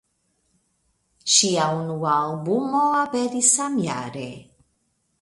Ŝia unua albumo aperis samjare.